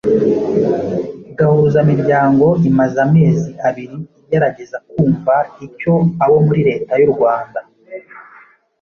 Gahuzamiryango imaze amezi abiri igerageza kumva icyo abo muri leta y'u Rwanda